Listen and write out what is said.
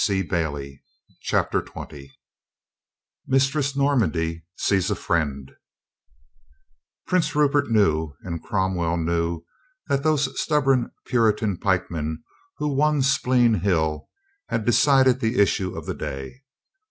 4^ CHAPTER TWENTY MISTRESS NORMANDY SEES A FRIEND pRINCE RUPERT knew and Cromwell knew * that those stubborn Puritan pikemen who won Speen Hill had decided the issue of the day.